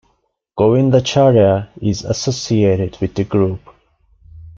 Govindacharya is associated with the group.